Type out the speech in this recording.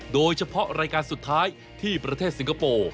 โดยเฉพาะรายการสุดท้ายที่ประเทศสิงคโปร์